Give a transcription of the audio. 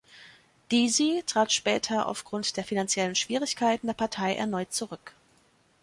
Deasy trat später aufgrund der finanziellen Schwierigkeiten der Partei erneut zurück.